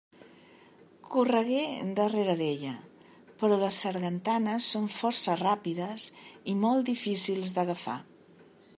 Corregué darrere d'ella, però les sargantanes són força ràpides i molt difícils d'agafar.